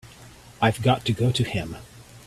I've got to go to him.